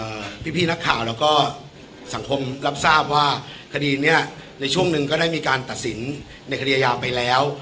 พี่พี่นักข่าวแล้วก็สังคมรับทราบว่าคดีเนี้ยในช่วงหนึ่งก็ได้มีการตัดสินในคดีอายาไปแล้ว